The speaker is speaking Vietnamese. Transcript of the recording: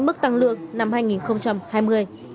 mức tăng lương năm hai nghìn hai mươi